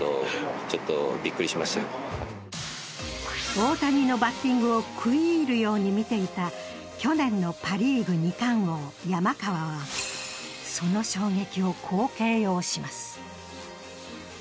大谷のバッティングを食い入るように見ていた去年のパ・リーグ二冠王山川はその衝撃をこう形容します。